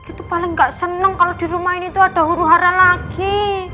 itu paling gak seneng kalau di rumah ini tuh ada huru hara lagi